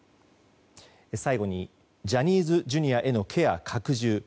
最後にジャニーズＪｒ．へのケア拡充。